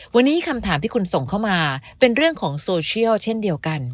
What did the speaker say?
วันนี้คำถามที่คุณส่งเข้ามาเป็นเรื่องของโซเชียลเช่นเดียวกัน